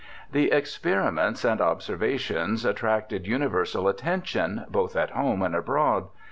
The Experiments and Observations attracted universal attention, both at home and abroad.